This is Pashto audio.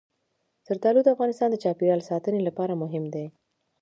زردالو د افغانستان د چاپیریال ساتنې لپاره مهم دي.